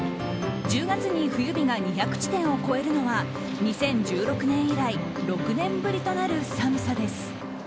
１０月に冬日が２００地点を超えるのは２０１６年以来６年ぶりとなる寒さです。